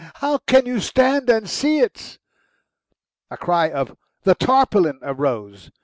How can you stand and see it?" A cry of "The tarpaulin!" arose.